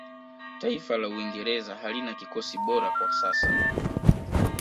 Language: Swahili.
taifa la uingereza halina kikosi bora kwa sasa